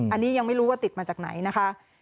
อันนี้ยังไม่รู้ว่าติดมาจากไหนนะคะ